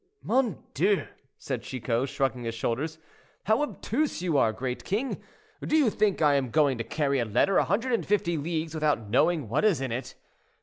"Mon Dieu!" said Chicot, shrugging his shoulders, "how obtuse you are, great king. Do you think I am going to carry a letter a hundred and fifty leagues without knowing what is in it?